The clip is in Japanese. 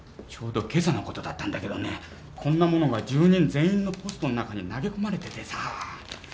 今朝のことだったんだけどねこんなものが住人全員のポストの中に投げ込まれててさぁ！